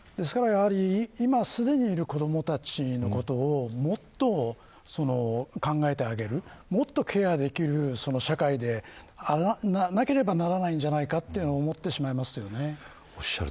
今すでにいる子どもたちのことをもっと考えてあげるもっとケアできる社会でなければならないんじゃないかと思ってしまいます。